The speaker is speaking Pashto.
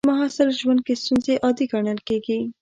د محصل ژوند کې ستونزې عادي ګڼل کېږي.